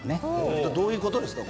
どういうことですか？